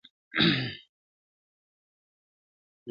په دې حالاتو کي خو دا کيږي هغه ،نه کيږي.